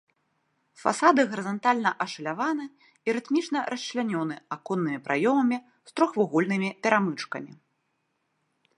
Фасады гарызантальна ашаляваны і рытмічна расчлянёны аконнымі праёмамі з трохвугольнымі перамычкамі.